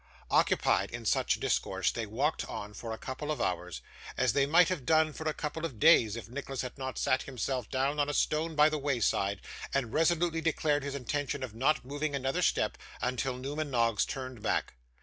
Occupied in such discourse, they walked on for a couple of hours, as they might have done for a couple of days if Nicholas had not sat himself down on a stone by the wayside, and resolutely declared his intention of not moving another step until Newman Noggs turned back.